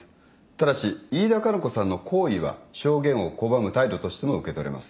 ただし飯田加奈子さんの行為は証言を拒む態度としても受け取れます。